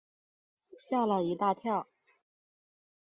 吓了一大跳